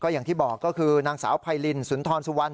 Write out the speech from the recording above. อย่างที่บอกก็คือนางสาวไพรินสุนทรสุวรรณ